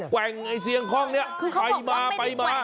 แกว่งเสียงคล่องนี้ไปมาไปมา